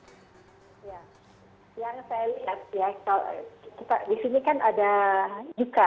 yang saya lihat ya disini kan ada yuka